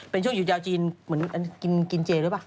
เป็นช่วงหยุดยาวจีนเหมือนกินเจด้วยป่ะ